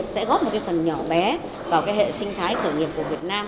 sẽ góp một cái phần nhỏ bé vào cái hệ sinh thái khởi nghiệp của việt nam